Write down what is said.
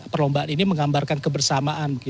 perlombaan ini menggambarkan kebersamaan